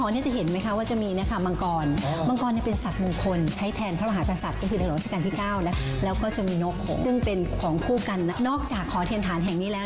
นอกจากขอเทียนฐานแห่งนี้แล้ว